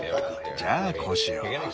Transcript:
じゃあこうしよう。